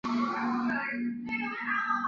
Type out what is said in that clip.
导引头亦让导弹可在恶劣天气或夜间作战。